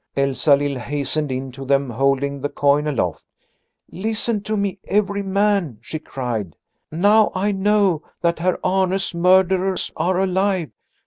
Elsalill hastened in to them, holding the coin aloft. "Listen to me, every man!" she cried. "Now I know that Herr Arne's murderers are alive.